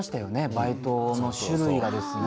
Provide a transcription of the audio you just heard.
バイトの種類が。